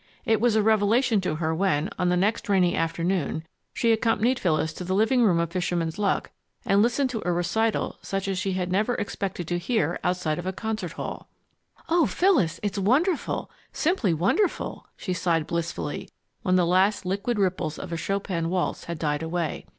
It was a revelation to her when, on the next rainy afternoon, she accompanied Phyllis to the living room of Fisherman's Luck and listened to a recital such as she had never expected to hear outside of a concert hall. "Oh, Phyllis, it's wonderful simply wonderful!" she sighed blissfully when the last liquid ripples of a Chopin waltz had died away.